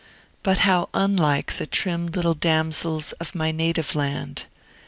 But how unlike the trim little damsels of my native land!